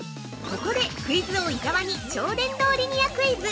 ◆ここで、クイズ王・伊沢に超電導リニアクイズ。